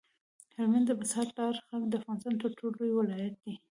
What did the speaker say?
هلمند د مساحت له اړخه د افغانستان تر ټولو لوی ولایت دی.